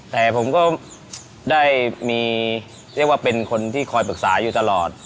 แต่ผมก็ได้มีเรียกว่าเป็นคนที่คอยปรึกษาอยู่ตลอด